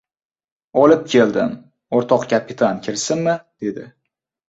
— Olib keldim, o‘rtoq kapitan, kirsinmi? — dedi.